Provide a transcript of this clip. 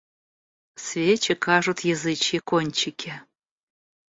Свечи кажут язычьи кончики.